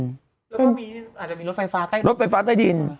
แล้วก็อาจจะมีรถไฟฟ้าใต้ดิน